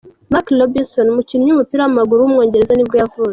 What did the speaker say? Mark Robinson, umukinnyi w’umupira w’amaguru w’umwongereza nibwo yavutse.